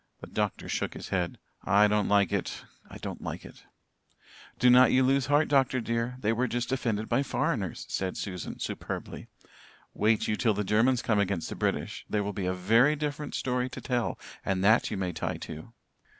The doctor shook his head. "I don't like it I don't like it." "Do not you lose heart, Dr. dear; they were just defended by foreigners," said Susan superbly. "Wait you till the Germans come against the British; there will be a very different story to tell and that you may tie to."